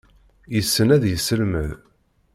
Yessen ad yesselmed.